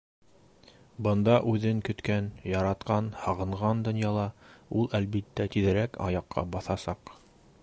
Бында, үҙен көткән, яратҡан, һағынған донъяла, ул, әлбиттә, тиҙерәк аяҡҡа баҫасаҡ.